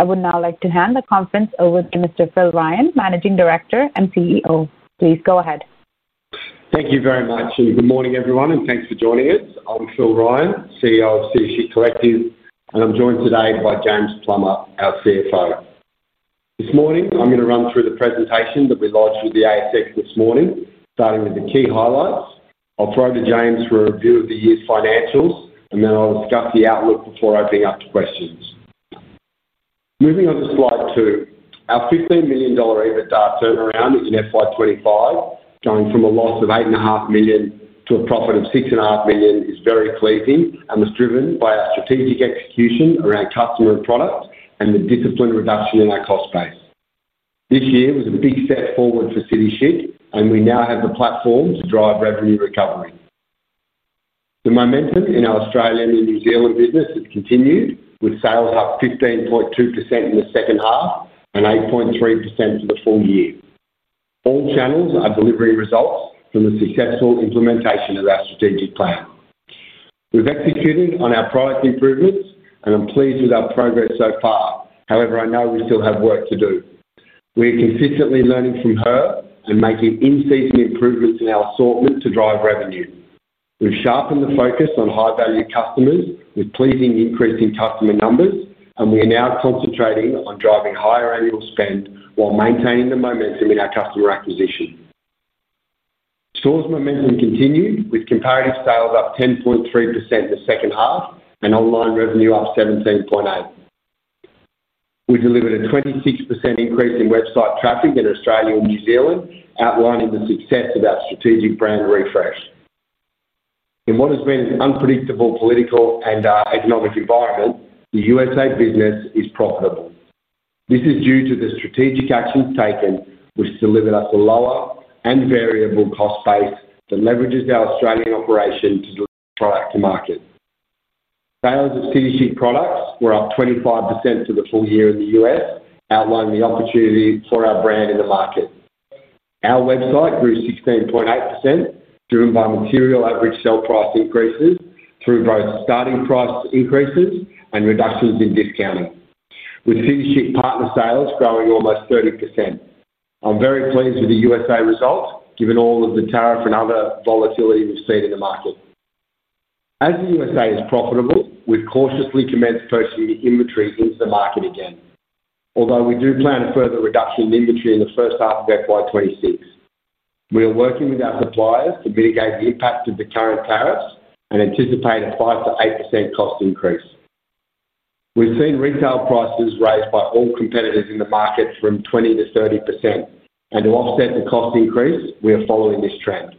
I would now like to hand the conference over to Mr. Phil Ryan, Managing Director and CEO. Please go ahead. Thank you very much. Good morning, everyone, and thanks for joining us. I'm Phil Ryan, CEO of City Chic Collective, and I'm joined today by James Plummer, our CFO. This morning, I'm going to run through the presentation that we launched with the ASX this morning, starting with the key highlights. I'll throw to James for a view of the year's financials, and then I'll discuss the outlook before opening up to questions. Moving on to Slide 2, our $15 million EBITDA turnaround in FY 2025, going from a loss of $8.5 million to a profit of $6.5 million, is very pleasing and was driven by our strategic execution around customer, product, and the disciplinary reduction in our cost base. This year was a big step forward for City Chic, and we now have the platform to drive revenue to recovery. The momentum in our Australia and New Zealand business has continued, with sales up 15.2% in the second half and 8.3% for the full year. All channels are delivering results from the successful implementation of our strategic plan. We've executed on our product improvements, and I'm pleased with our progress so far. However, I know we still have work to do. We're consistently learning from her and making in-season improvements in our assortment to drive revenue. We've sharpened the focus on high-value customers with pleasing increase in customer numbers, and we are now concentrating on driving higher annual spend while maintaining the momentum in our customer acquisition. Stores' momentum continued with comparative sales up 10.3% in the second half and online revenue up 17.8%. We delivered a 26% increase in website traffic in Australia and New Zealand, outlined in the success of our strategic brand refresh. In what has been an unpredictable political and economic environment, the USA business is profitable. This is due to the strategic actions taken, which delivered us a lower and variable cost base that leverages our Australian operation to do its product to market. Sales of City Chic products were up 25% for the full year in the U.S., outlining the opportunity for our brand in the market. Our website grew 16.8%, driven by material average sale price increases through both starting price increases and reductions in discounting, with City Chic partner sales growing almost 30%. I'm very pleased with the USA result, given all of the tariff and other volatility we've seen in the market. As the USA is profitable, we've cautiously commenced purchasing inventory into the market again, although we do plan a further reduction in inventory in the first half of FY 2026. We are working with our suppliers to mitigate the impact of the current tariffs and anticipate a 5%-8% cost increase. We've seen retail prices raised by all competitors in the market from 20%-30%, and to offset the cost increase, we are following this trend.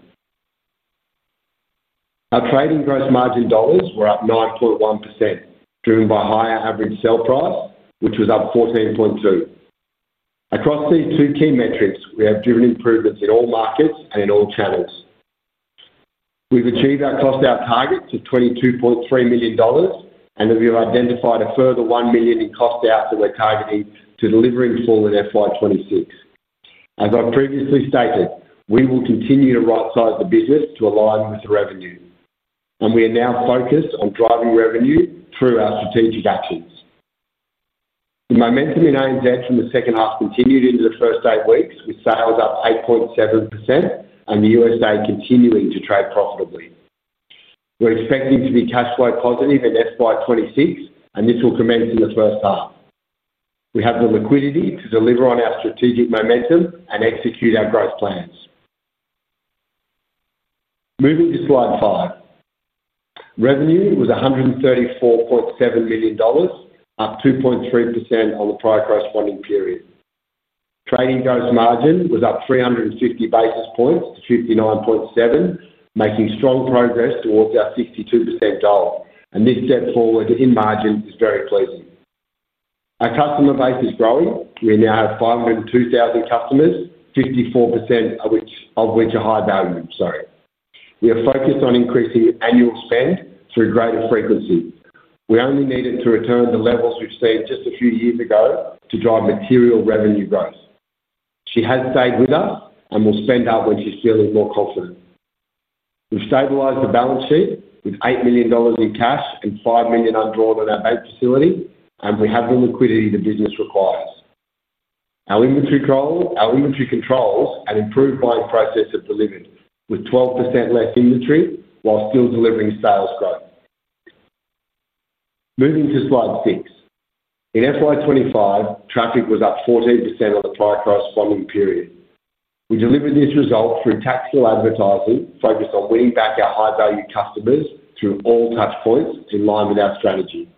Our trading gross margin dollars were up 9.1%, driven by higher average sale price, which was up 14.2%. Across these two key metrics, we have driven improvements in all markets and in all channels. We've achieved our cost-out targets of $22.3 million, and we have identified a further $1 million in cost-out that we're targeting to deliver in full in FY 2026. As I've previously stated, we will continue to right-size the business to align with the revenue, and we are now focused on driving revenue through our strategic actions. The momentum in ANZ from the second half continued into the first eight weeks, with sales up 8.7% and the USA continuing to trade profitably. We're expecting to be cash flow positive in FY 2026, and this will commence in the first half. We have the liquidity to deliver on our strategic momentum and execute our growth plans. Moving to Slide 5, revenue was $134.7 million, up 2.3% on the prior corresponding period. Trading gross margin was up 350 basis points to 59.7%, making strong progress towards our 62% goal, and this step forward in margins is very pleasing. Our customer base is growing. We now have 502,000 customers, 54% of which are high value. We are focused on increasing annual spend through greater frequency. We only need it to return the levels we've seen just a few years ago to drive material revenue growth. She has stayed with us and will spend up when she's feeling more confident. We've stabilized the balance sheet with $8 million in cash and $5 million undrawn on our bank facility, and we have the liquidity the business requires. Our inventory controls and improved buying process of delivery, with 12% less inventory while still delivering sales growth. Moving to Slide 6, in FY 2025, traffic was up 14% on the prior corresponding period. We delivered this result through tactical advertising, focused on winning back our high-value customers through all touch points in line with our strategy.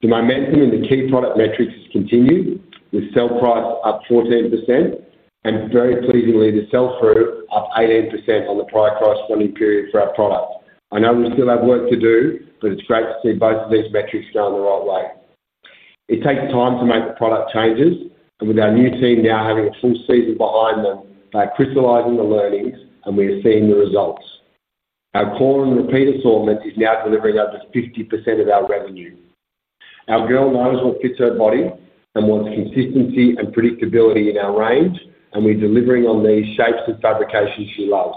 The momentum in the key product metrics has continued, with sale price up 14% and, very pleasingly, the sale through up 18% on the prior corresponding period for our product. I know we still have work to do, but it's great to see both of these metrics going the right way. It takes time to make the product changes, and with our new team now having a full season behind them, they've crystallized on the learnings, and we are seeing the results. Our core and repeater assortment is now delivering over 50% of our revenue. Our girl knows what fits her body and wants consistency and predictability in our range, and we're delivering on these shapes and fabrications she loves.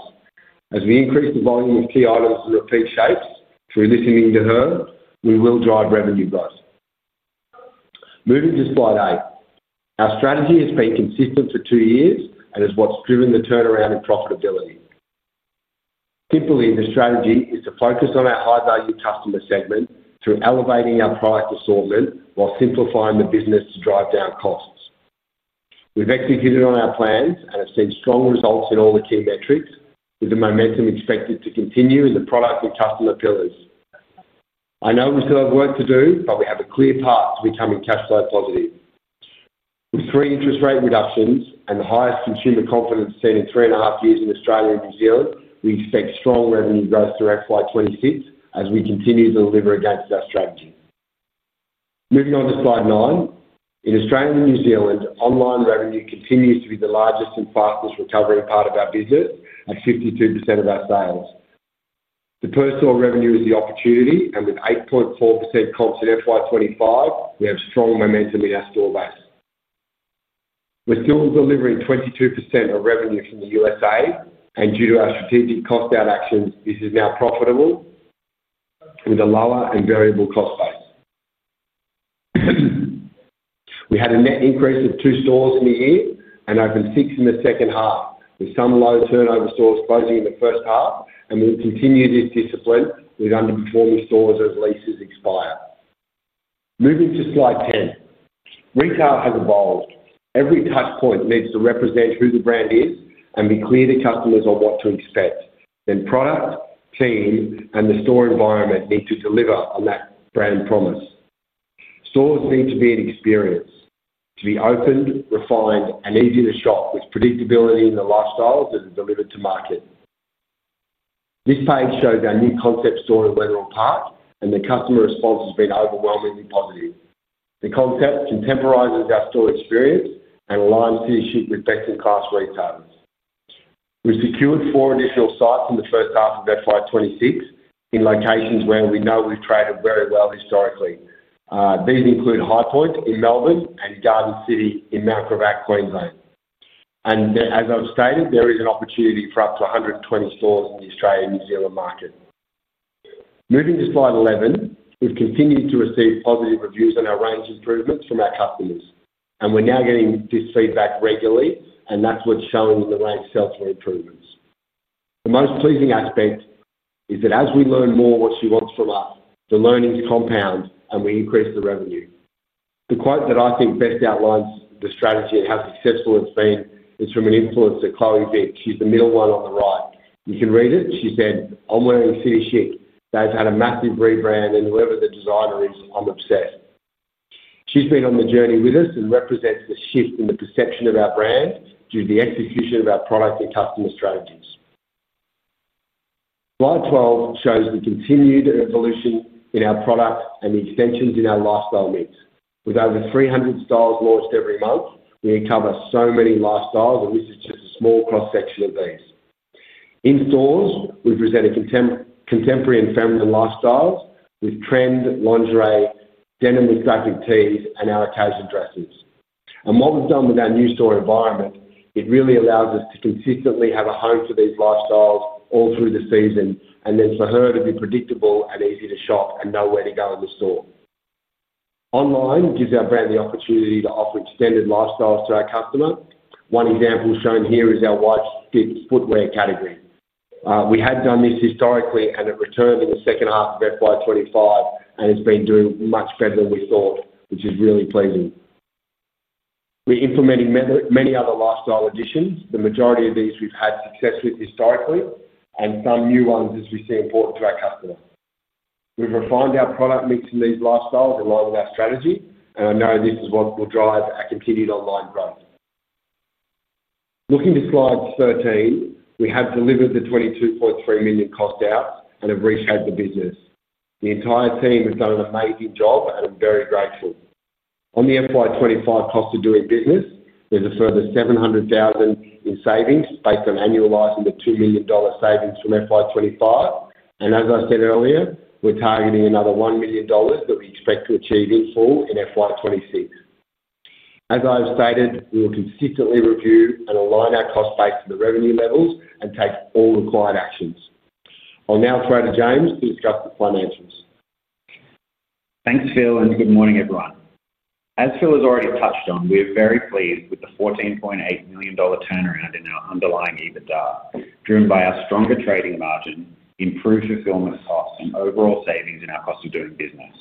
As we increase the volume of key items and repeat shapes, through listening to her, we will drive revenue growth. Moving to Slide 8, our strategy has been consistent for two years and is what's driven the turnaround and profitability. Simply, the strategy is to focus on our high-value customer segment through elevating our product assortment while simplifying the business to drive down costs. We've executed on our plans and have seen strong results in all the key metrics, with the momentum expected to continue in the product and customer pillars. I know we still have work to do, but we have a clear path of becoming cash flow positive. With three interest rate reductions and the highest consumer confidence seen in 3.5 years in Australia and New Zealand, we expect strong revenue growth through FY 2026 as we continue to deliver against our strategy. Moving on to Slide 9, in Australia and New Zealand, online revenue continues to be the largest and fastest recovery part of our business, at 52% of our sales. The personal revenue is the opportunity, and with 8.4% comps in FY 2025 we have strong momentum in our store base. We're still delivering 22% of revenue from the USA, and due to our strategic cost-out actions, this is now profitable with a lower and variable cost base. We had a net increase of two stores in a year and opened six in the second half, with some low turnover stores closing in the first half, and we'll continue this discipline with underperforming stores as leases expire. Moving to Slide 10, retail has evolved. Every touch point needs to represent who the brand is and be clear to customers on what to expect. Product, team, and the store environment need to deliver on that brand promise. Stores need to be an experience, to be opened, refined, and easy to shop, with predictability in the lifestyles that are delivered to market. This page shows our new concept store in Wendell Park, and the customer response has been overwhelmingly positive. The concept contemporizes our store experience and aligns City Chic with best-in-class retailers. We've secured four additional sites in the first half of FY 2026 in locations where we know we've traded very well historically. These include Highpoint in Melbourne and Garden City in Mount Gravatt, Queensland. There is an opportunity for up to 120 stores in the Australia and New Zealand market. Moving to Slide 11, we've continued to receive positive reviews on our range improvements from our customers, and we're now getting this feedback regularly, and that's what's shown in the range sales for improvements. The most pleasing aspect is that as we learn more what she wants from us, the learnings compound and we increase the revenue. The quote that I think best outlines the strategy and how successful it's been is from an influencer, Chloe Vick. She's the middle one on the right. You can read it. She said, "I'm wearing City Chic. They've had a massive rebrand and whoever the designer is, I'm obsessed." She's been on the journey with us and represents the shift in the perception of our brand through the execution of our product and customer strategies. Slide 12 shows the continued evolution in our product and the extensions in our lifestyle mix, with over 300 styles launched every month. We cover so many lifestyles and this is more cross-section of these. In store, we present a contemporary and feminine lifestyle with trend lingerie, denim with graphic tees, and our occasional dresses. What we've done with our new store environment, it really allows us to consistently have a home for these lifestyles all through the season, and then for her to be predictable and easy to shop and know where to go in the store. Online gives our brand the opportunity to offer extended lifestyles to our customer. One example shown here is our wide fit kids' footwear category. We had done this historically, and it returned in the second half of FY 2025 and has been doing much better than we thought, which is really pleasing. We're implementing many other lifestyle additions. The majority of these we've had success with historically, and some new ones as we see important to our customer. We've refined our product mix in these lifestyles along with our strategy, and I know this is what will drive our continued online growth. Looking to Slide 13, we have delivered the $22.3 million cost-out and have reshaped the business. The entire team has done an amazing job, and I'm very grateful. On the FY 2025 cost of doing business, there's a further $700,000 in savings based on annualizing the $2 million savings from FY 2025. As I said earlier, we're targeting another $1 million that we expect to achieve in full in FY 2026. As I've stated, we will consistently review and align our cost base to the revenue levels and take all required actions. I'll now throw to James to discuss the financials. Thanks, Phil, and good morning, everyone. As Phil has already touched on, we're very pleased with the $14.8 million turnaround in our underlying EBITDA, driven by our stronger trading margin, improved fulfillment costs, and overall savings in our cost of doing business.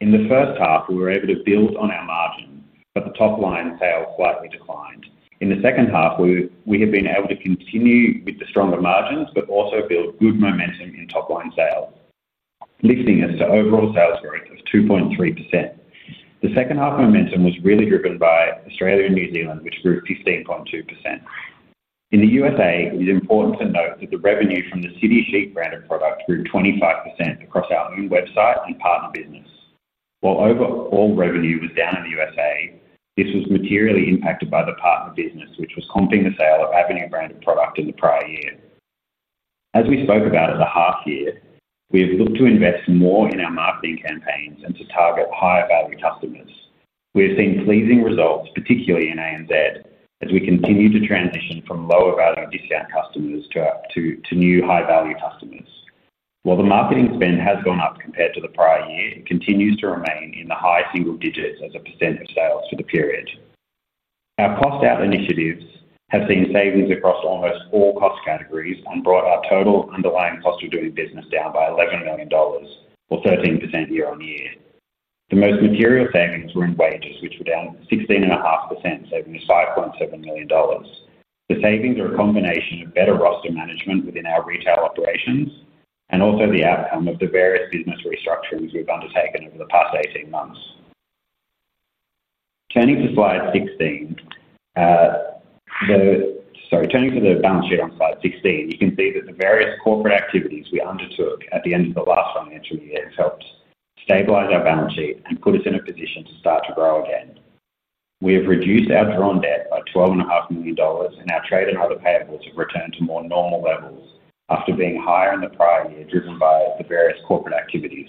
In the first half, we were able to build on our margins, but the top line of sales slightly declined. In the second half, we have been able to continue with the stronger margins but also build good momentum in top line sales, lifting us to overall sales growth of 2.3%. The second half momentum was really driven by Australia and New Zealand, which grew 15.2%. In the USA, it is important to note that the revenue from the City Chic branded product grew 25% across our own website and partner business. While overall revenue was down in the USA, this was materially impacted by the partner business, which was comping the sale of our branded product in the prior year. As we spoke about at the half year, we have looked to invest more in our marketing campaigns and to target higher value customers. We've seen pleasing results, particularly in ANZ, as we continue to transition from lower value discount customers to new high value customers. While the marketing spend has gone up compared to the prior year, it continues to remain in the high single digits as 1% of sales for the period. Our cost-out initiatives have seen savings across almost all cost categories and brought our total underlying cost of doing business down by $11 million, or 13% year-on-year. The most material savings were in wages, which were down 16.5%, saving us $5.7 million. The savings are a combination of better roster management within our retail operations and also the outcome of the various business restructurings we've undertaken over the past 18 months. Turning to the balance sheet on Slide 16, you can see that the various corporate activities we undertook at the end of the last financial year have helped stabilize our balance sheet and put us in a position to start to grow again. We have reduced our drawn debt by $12.5 million, and our trade and other payables have returned to more normal levels after being higher in the prior year, driven by the various corporate activities.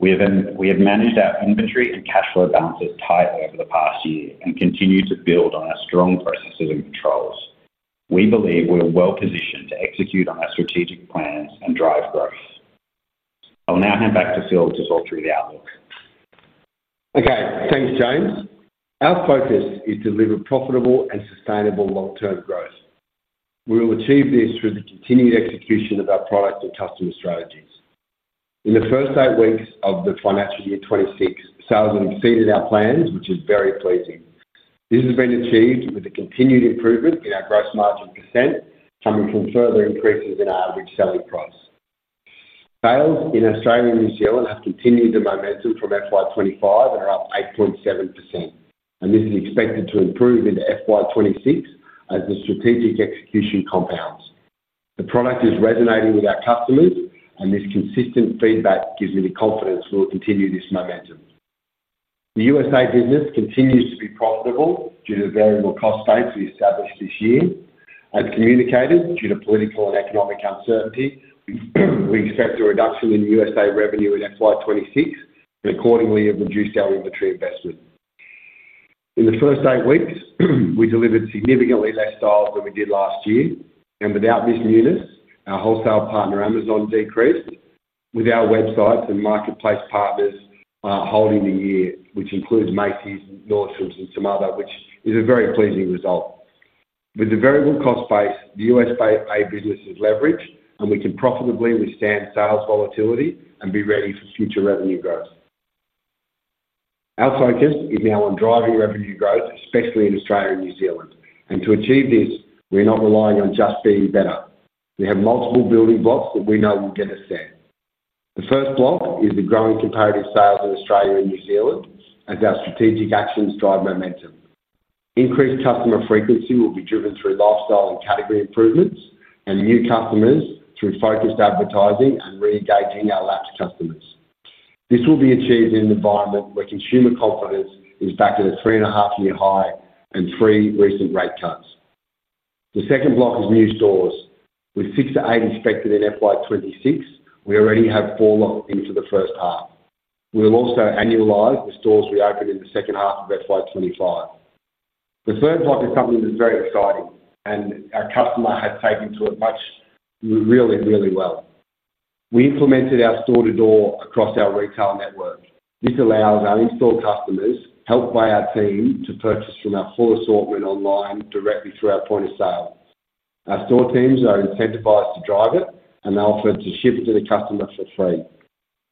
We have managed our inventory and cash flow balance tightly over the past year and continue to build on our strong processes and controls. We believe we're well positioned to execute on our strategic plans and drive growth. I'll now hand back to Phil to talk through the outlook. Okay, thanks, James. Our focus is to deliver profitable and sustainable long-term growth. We will achieve this through the continued execution of our product and customer strategies. In the first eight weeks of the financial year 2026, sales have exceeded our plans, which is very pleasing. This has been achieved with the continued improvement in our gross margin %, coming from further increases in our average selling price. Sales in Australia and New Zealand have continued the momentum from FY 2025 at around 8.7%, and this is expected to improve into FY 2026 as the strategic execution compounds. The product is resonating with our customers, and this consistent feedback gives me the confidence we will continue this momentum. The USA business continues to be profitable due to the variable cost base we established this year. As communicated, due to political and economic uncertainty, we expect a reduction in the USA revenue in FY 2026 and accordingly reduced our inventory investment. In the first eight weeks, we delivered significantly less styles than we did last year, and with our wholesale partner Amazon decreased, with our website and marketplace partners holding the year, which includes Macy's, Nordstrom, and some others, which is a very pleasing result. With the variable cost base, the USA business is leveraged, and we can profitably withstand sales volatility and be ready for future revenue growth. Our focus is now on driving revenue growth, especially in Australia and New Zealand, and to achieve this, we're not relying on just being better. We have multiple building blocks that we know will get us there. The first block is the growing comparative store sales in Australia and New Zealand, as our strategic actions drive momentum. Increased customer frequency will be driven through lifestyle and category improvements and new customers through focused advertising and re-engaging our lapsed customers. This will be achieved in an environment where consumer confidence is back at a 3.5 year high and three recent rate cuts. The second block is new stores. With six to eight expected in FY 2026, we already have four locked into the first half. We will also annualize the stores we open in the second half of FY 2025. The third block is something that's very exciting, and our customer has taken to it really, really well. We implemented our store-to-door program across our retail network. This allows our in-store customers, helped by our team, to purchase from our full assortment online directly through our point of sale. Our store teams are incentivized to drive it, and they're offered to ship it to the customer for free.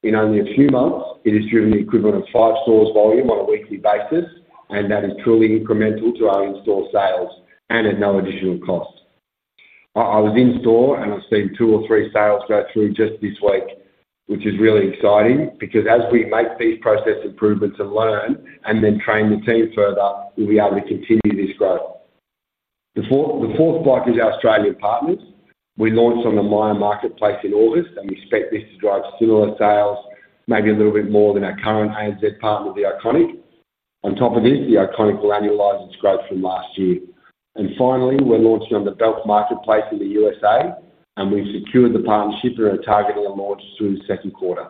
In only a few months, it has driven the equivalent of five stores' volume on a weekly basis, and that is truly incremental to our in-store sales and at no additional cost. I was in store, and I've seen two or three sales go through just this week, which is really exciting because as we make these process improvements and learn and then train the team further, we'll be able to continue this growth. The fourth block is our Australian partners. We launched on the Myer marketplace in August, and we expect this to drive similar sales, maybe a little bit more than our current ANZ partner The Iconic. On top of this, The Iconic will annualize its growth from last year. Finally, we're launching on the Belt marketplace in the USA, and we've secured the partnership and are targeting a launch through the second quarter.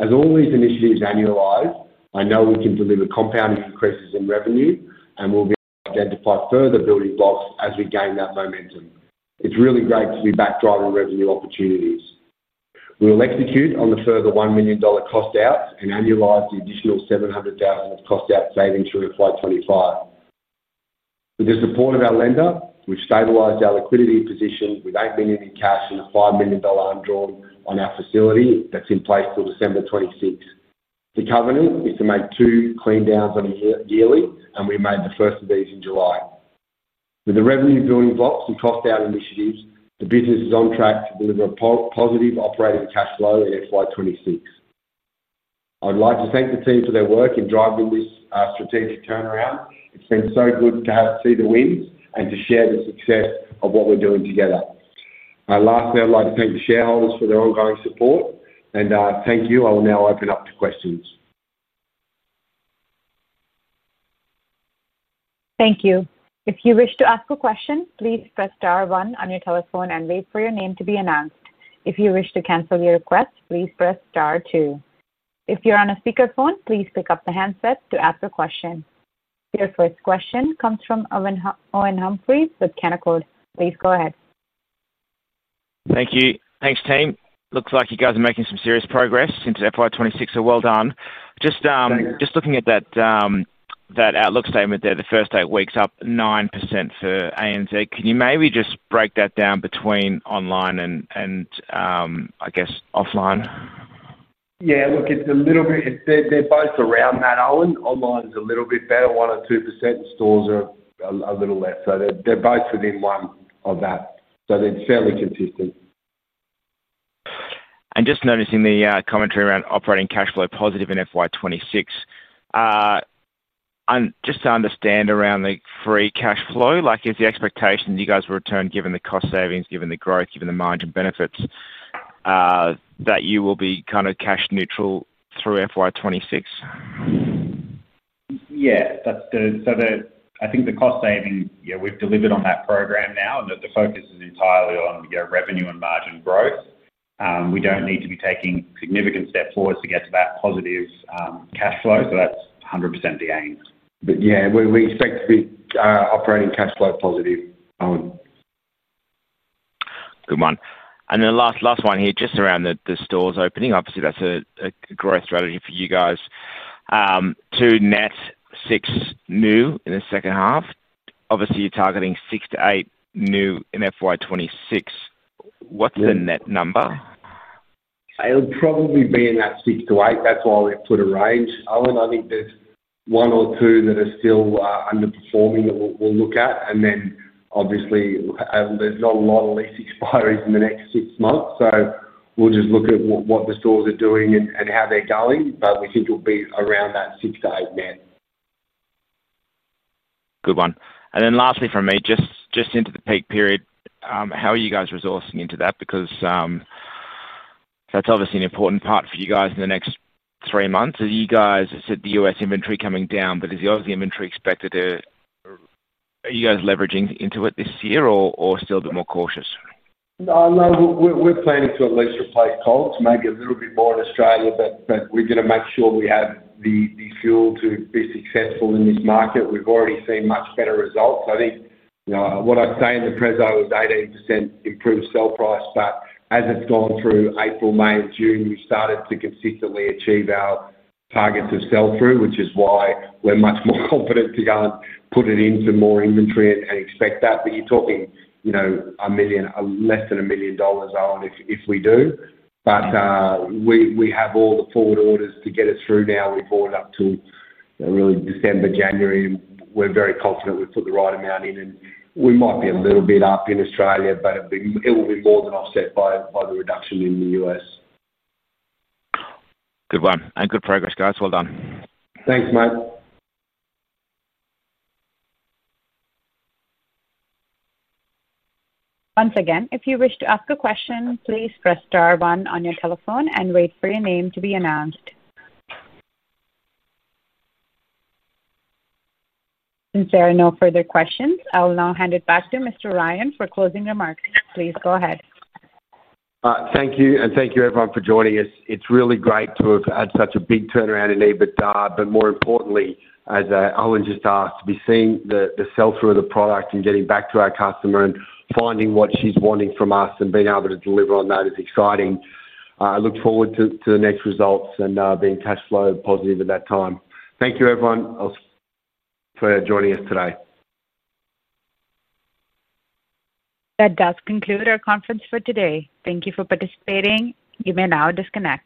As all these initiatives annualize, I know we can deliver compounding increases in revenue, and we'll identify further building blocks as we gain that momentum. It's really great to be back driving revenue opportunities. We'll execute on the further $1 million cost-out and annualize the additional $700,000 cost-out savings through FY 2025. With the support of our lender, we've stabilized our liquidity position with $8 million in cash and a $5 million undrawn on our facility that's in place till December 2026. The covenant is to make two clean downs on a yearly basis, and we made the first of these in July. With the revenue building blocks and cost-out initiatives, the business is on track to deliver a positive operating cash flow in FY 2026. I'd like to thank the team for their work in driving this strategic turnaround. It's been so good to see the wins and to share the success of what we're doing together. Lastly, I'd like to thank the shareholders for their ongoing support, and thank you. I will now open up to questions. Thank you. If you wish to ask a question, please press star one on your telephone and wait for your name to be announced. If you wish to cancel your request, please press star two. If you're on a speakerphone, please pick up the handset to ask a question. Your first question comes from Owen Humphries with Canaccord. Please go ahead. Thank you. Thanks, team. Looks like you guys are making some serious progress since FY 2026, so well done. Just looking at that outlook statement there, the first eight weeks up 9% for ANZ. Can you maybe just break that down between online and, I guess, offline? Yeah, look, it's a little bit, they're both around that, Owen. Online is a little bit better, 1% or 2%, and stores are a little less. They're both within 1% of that. They're fairly consistent. am just noticing the commentary around operating cash flow positive in FY 2026. Just to understand around the free cash flow, is the expectation you guys will return, given the cost savings, given the growth, given the margin benefits, that you will be kind of cash neutral through FY 2026? I think the cost savings, we've delivered on that program now, and the focus is entirely on revenue and margin growth. We don't need to be taking significant steps forward to get to that positive cash flow, so that's 100% the aim. Yeah, we expect to be operating cash flow positive. Good one. And the last one here, just around the stores opening. Obviously, that's a growth strategy for you guys. Two net six new in the second half. Obviously, you're targeting six to eight new in FY 2026. What's the net number? It'll probably be in that six to eight. That's why we put a range. Owen, I think there's one or two that are still underperforming that we'll look at. Obviously, there's not a lot of lease expiry in the next six months, so we'll just look at what the stores are doing and how they're going. We think it'll be around that six to eight net. Good one. And then lastly from me, just into the peak period, how are you guys resourcing into that? That's obviously an important part for you guys in the next three months. As you guys have said, the U.S. inventory coming down, but is the inventory expected to, are you guys leveraging into it this year or still a bit more cautious? No, no, we're planning to at least replace costs, maybe a little bit more in Australia, but we're going to make sure we have the fuel to be successful in this market. We've already seen much better results. I think, you know, I want to stay in the preso of 80% improved sale price, but as it's gone through April, May, and June, we've started to consistently achieve our targets of sell through, which is why we're much more confident to go and put it into more inventory and expect that. You're talking, you know, $1 million, less than $1 million if we do. We have all the forward orders to get us through now. We've bought it up till really December, January. We're very confident we've put the right amount in, and we might be a little bit up in Australia, but it will be more than offset by the reduction in the U.S. Good one, and good progress, guys. Well done. Thanks, mate. Once again, if you wish to ask a question, please press star one on your telephone and wait for your name to be announced. If there are no further questions, I will now hand it back to Mr. Ryan for closing remarks. Please go ahead. Thank you, and thank you everyone for joining us. It's really great to have had such a big turnaround in EBITDA, but more importantly, as Owen just asked, we've seen the sell through of the product and getting back to our customer and finding what she's wanting from us and being able to deliver on that is exciting. I look forward to the next results and being cash flow positive at that time. Thank you, everyone, for joining us today. That does conclude our conference for today. Thank you for participating. You may now disconnect.